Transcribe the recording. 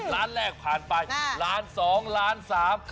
ล้านแรกผ่านไปล้านสองล้านสาม